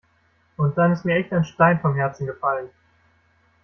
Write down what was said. Und dann ist mir echt ein Stein vom Herzen gefallen.